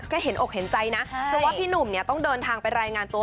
ก็เห็นอกเห็นใจนะเพราะว่าพี่หนุ่มเนี่ยต้องเดินทางไปรายงานตัว